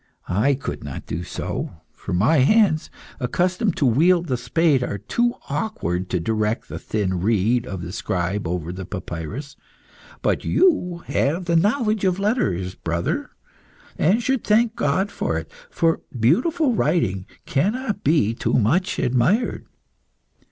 I could not do so, for my hands, accustomed to wield the spade, are too awkward to direct the thin reed of the scribe over the papyrus. But you have the knowledge of letters, brother, and should thank God for it, for beautiful writing cannot be too much admired.